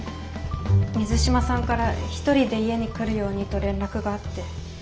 水島さんから一人で家に来るようにと連絡があって。